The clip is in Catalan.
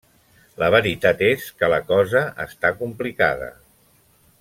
La veritat és que la cosa està complicada.